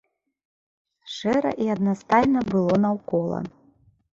Шэра і аднастайна было наўкола.